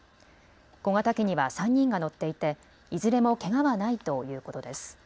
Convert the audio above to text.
小型機には３人が乗っていていずれもけがはないということです。